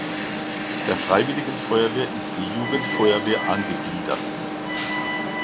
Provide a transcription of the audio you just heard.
Der Freiwilligen Feuerwehr ist die Jugendfeuerwehr angegliedert.